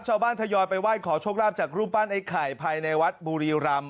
ทยอยไปไหว้ขอโชคลาภจากรูปปั้นไอ้ไข่ภายในวัดบุรีรำ